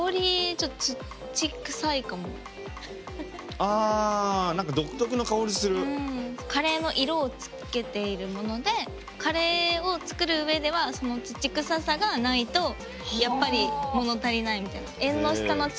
結構あ何かカレーの色をつけているものでカレーを作る上ではその土臭さがないとやっぱり物足りないみたいな。